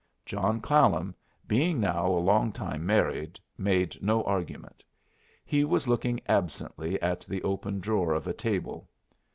John Clallam, being now a long time married, made no argument. He was looking absently at the open drawer of a table.